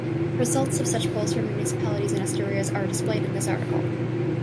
Results of such polls for municipalities in Asturias are displayed in this article.